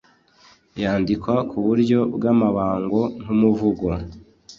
Yandikwa ku buryo bw’amabango nk’umuvugo.